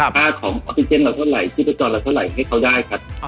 ค่าของออกซิเจนเราเท่าไรอุปกรณ์เราเท่าไรให้เขาได้